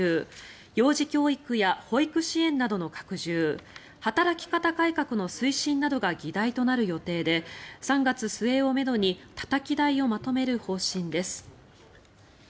幼児教育や保育支援などの拡充働き方改革の推進などが議題となる予定で３月末をめどにたたき台をまとめる方針です。